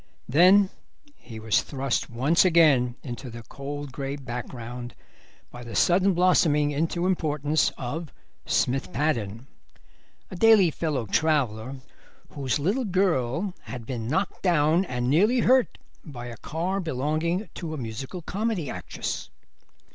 Then he was thrust once again into the cold grey background by the sudden blossoming into importance of Smith Paddon, a daily fellow traveller, whose little girl had been knocked down and nearly hurt by a car belonging to a musical comedy actress.